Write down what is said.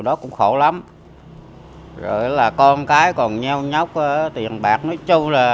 đó là những việc